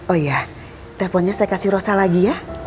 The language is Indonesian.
oh iya teleponnya saya kasih rosa lagi ya